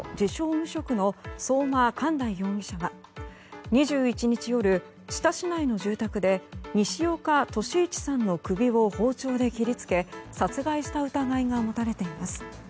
無職の相馬寛大容疑者は２１日夜、知多市内の住宅で西岡歳一さんの首を包丁で切りつけ殺害した疑いが持たれています。